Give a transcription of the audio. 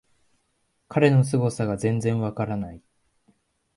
彼のすごさが全然わからない